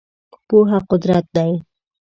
پوهه قدرت دی .